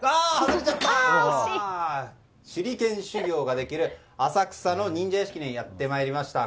手裏剣修業ができる浅草の忍者屋敷にやってまいりました。